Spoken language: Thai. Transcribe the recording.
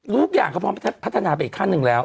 ทุกอย่างเขาพร้อมพัฒนาไปอีกขั้นหนึ่งแล้ว